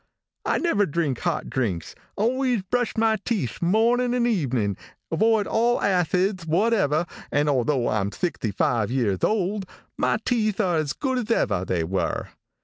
I never drink hot drinks, always brush my teeth morning and evening, avoid all acids whatever, and although I am 65 years old, my teeth are as good as ever they were."